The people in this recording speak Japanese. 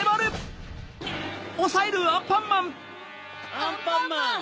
アンパンマン！